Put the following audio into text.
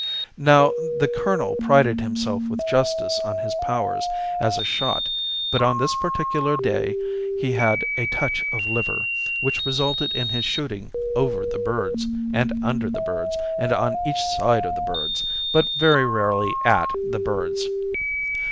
Now, the colonel prided himself with justice on his powers as a shot; but on this particular day he had a touch of liver, which resulted in his shooting over the birds, and under the birds, and on each side of the birds, but very rarely at the birds.